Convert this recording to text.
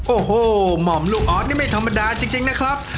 โอ้โหหม่อมลูกออสนี่ไม่ธรรมดาจริงนะครับ